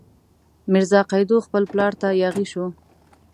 میرزا قیدو خپل پلار ته یاغي شو.